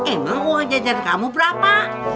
emang uang jajan kamu berapa